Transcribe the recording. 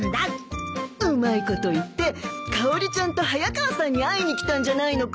うまいこと言ってかおりちゃんと早川さんに会いに来たんじゃないのか？